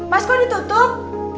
mas kok ditutup